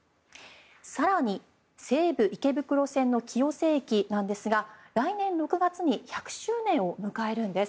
更に、西武池袋線の清瀬駅なんですが来年６月に１００周年を迎えるんです。